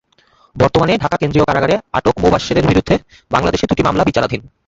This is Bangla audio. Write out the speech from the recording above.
বর্তমানে ঢাকা কেন্দ্রীয় কারাগারে আটক মোবাশ্বেরের বিরুদ্ধে বাংলাদেশে দুটি মামলা বিচারাধীন।